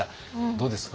どうですか？